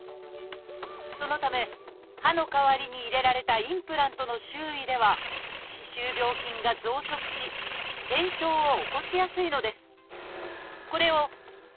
そのため歯の代わりに入れられたインプラントの周囲では歯周病菌が増殖し炎症を起こしやすいのです。